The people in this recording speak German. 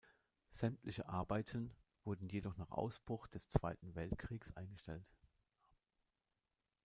Sämtliche Arbeiten wurden jedoch nach dem Ausbruch des Zweiten Weltkriegs eingestellt.